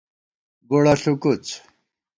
بُوڑہ ݪُوکُوڅ